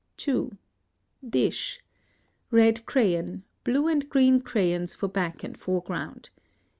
2. Dish. Red crayon, blue and green crayons for back and foreground.